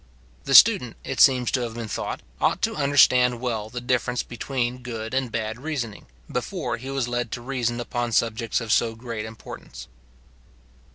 The student, it seems to have been thought, ought to understand well the difference between good and bad reasoning, before he was led to reason upon subjects of so great importance.